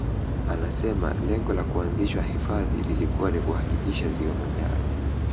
Anasema lengo la kuanzishwa hifadhi lilikuwa ni kuhakikisha Ziwa Manyara